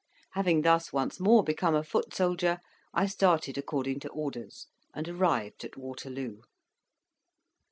Having thus once more become a foot soldier, I started according to orders, and arrived at Waterloo.